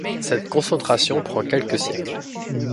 Cette concentration prend quelques siècles.